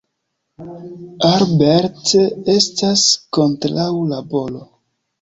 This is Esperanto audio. Albert estas kontraŭ laboro.